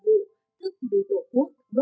để cái tết thêm trọn đẹp